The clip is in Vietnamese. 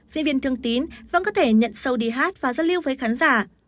diễn viên thương tín vẫn có thể nhận sâu đi hát và giao lưu với khán giả